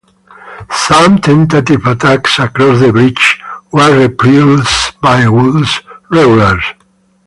Some tentative attacks across the bridges were repulsed by Wool's regulars.